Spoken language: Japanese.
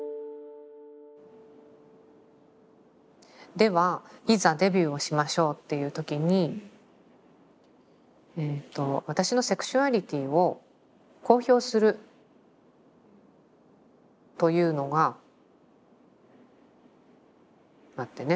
ではいざデビューをしましょうっていう時に私のセクシュアリティを公表するというのが待ってね。